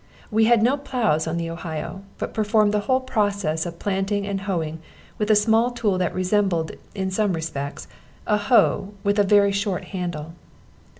We had no ploughs on the Ohio; but performed the whole process of planting and hoeing with a small tool that resembled, in some respects, a hoe with a very short handle.